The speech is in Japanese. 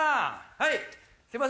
はい。